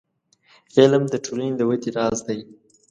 • علم، د ټولنې د ودې راز دی.